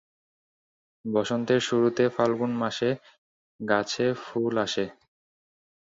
বসন্তের শুরুতে ফাল্গুন মাসে গাছে ফুল আসে।